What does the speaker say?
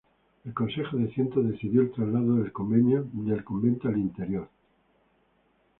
El Consejo de Ciento decidió el traslado del convento al interior.